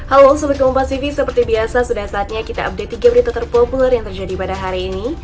halo sebagai compactv seperti biasa sudah saatnya kita update tiga berita terpopuler yang terjadi pada hari ini